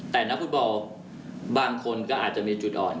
แต่นักฟุตบอลบางคนก็อาจจะมีจุดอ่อน